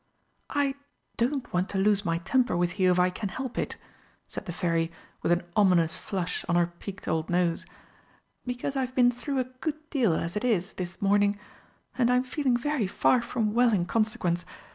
"I don't want to lose my temper with you if I can help it," said the Fairy, with an ominous flush on her peaked old nose, "because I've been through a good deal as it is this morning, and I'm feeling very far from well in consequence.